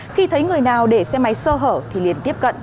khi thấy người nào để xe máy sơ hở thì liền tiếp cận